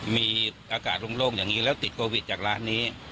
มีอากาศโล่งอย่างนี้แล้วติดโควิดจากร้านนี้